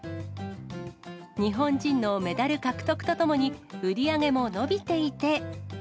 日本人のメダル獲得とともに、売り上げも伸びていて。